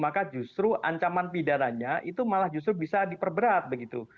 maka justru ancaman pidananya itu malah justru bisa diperberat begitu